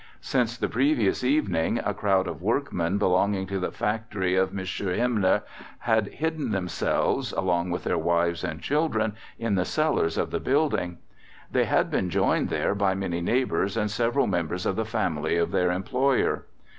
Since the previous evening a crowd of workmen belonging to the factory of M. Himmer had hidden themselves, along with their wives and children, in the cellars of the building. They had been joined there by many neighbours and several members of the family of their employer.